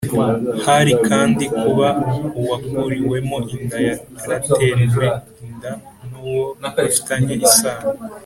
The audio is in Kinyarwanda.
Hari kandi kuba uwakuriwemo inda yaratewe inda n’uwo bafitanye isano